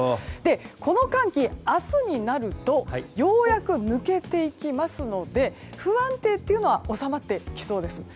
この寒気、明日になるとようやく抜けていきますので不安定というのは収まってきそうです。